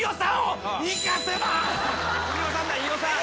飯尾さんだ飯尾さん。